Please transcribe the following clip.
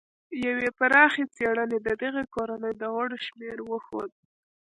یوې پراخې څېړنې د دغې کورنۍ د غړو شمېر وښود.